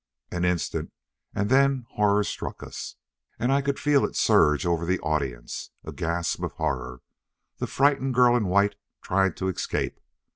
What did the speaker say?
An instant, and then horror struck us. And I could feel it surge over the audience. A gasp of horror. The frightened girl in white tried to escape.